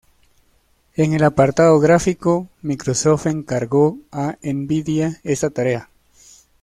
En el apartado gráfico, Microsoft encargó a nVidia esta tarea.